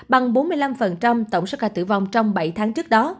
bằng bốn mươi năm tổng số ca tử vong trong bảy tháng